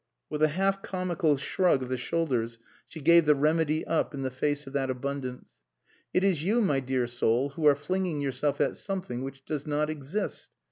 With a half comical shrug of the shoulders, she gave the remedy up in the face of that abundance. "It is you, my dear soul, who are flinging yourself at something which does not exist.